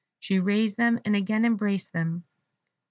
She raised them, and again embraced them.